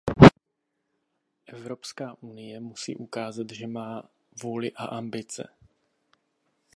Evropská unie musí ukázat, že má vůli a ambice.